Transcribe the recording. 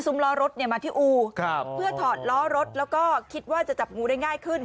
ล้อรถมาที่อูครับเพื่อถอดล้อรถแล้วก็คิดว่าจะจับงูได้ง่ายขึ้น